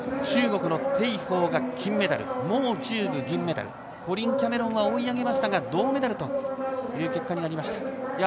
中国の鄭鵬が金メダル毛忠武が銀メダルコリン・キャメロンは追い上げましたが銅メダルという結果になりました。